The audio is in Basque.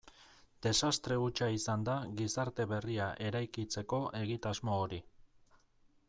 Desastre hutsa izan da gizarte berria eraikitzeko egitasmo hori.